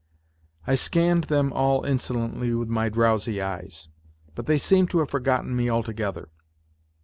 I scanned them all insolently with my drowsy eyes. But they seemed to have torgotten me altogether.